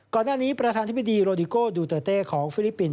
ก่อนหน้านี้ประธานที่มิดีโรดิโก้ดูเตอร์เต้ของฟิลิปปินส์